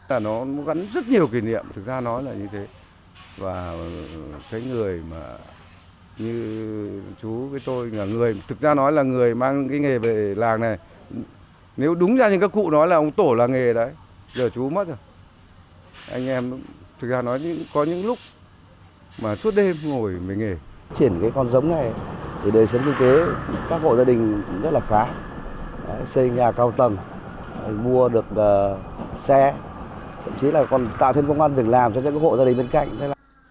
anh em thực ra nói có những lúc mà suốt đêm ngồi mới nghề